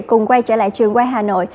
cùng quay trở lại trường quay hà nội